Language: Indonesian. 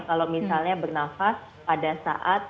kalau misalnya bernafas pada saat